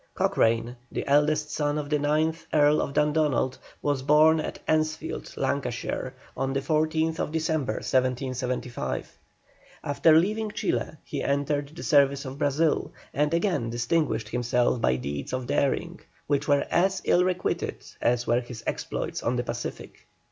COCHRANE, the eldest son of the ninth Earl of Dundonald, was born at Annesfield, Lanarkshire, on the 14th December, 1775. After leaving Chile he entered the service of Brazil, and again distinguished himself by deeds of daring, which were as ill requited as were his exploits on the Pacific.